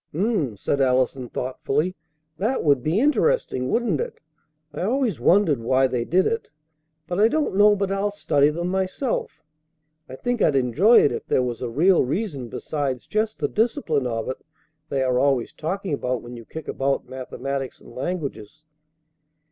"H'm!" said Allison thoughtfully. "That would be interesting, wouldn't it? I always wondered why they did it, but I don't know but I'll study them myself. I think I'd enjoy it if there was a real reason besides just the discipline of it they are always talking about when you kick about mathematics and languages."